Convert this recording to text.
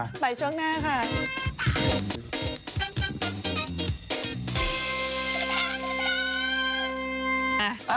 ไปช่วงหน้าค่ะ